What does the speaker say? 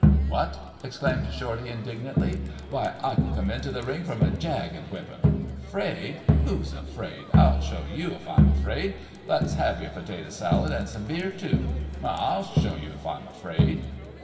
"What!" exclaimed Shorty, indignantly. "Why I could come into the ring from a jag and whip him; 'fraid! who's afraid. I'll show you if I'm afraid. Let's have your potato salad, an' some beer, too. Huh! I'll show you if I'm afraid."